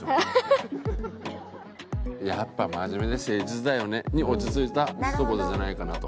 「やっぱ真面目で誠実だよね」に落ち着いたひと言じゃないかなと。